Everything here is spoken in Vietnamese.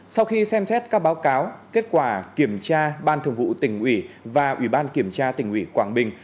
sau khi xem xét các báo cáo kết quả kiểm tra ban thường vụ tỉnh ủy và ủy ban kiểm tra tỉnh ủy quảng bình